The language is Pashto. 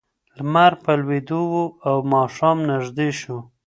لمر په لوېدو و او ماښام نږدې شو.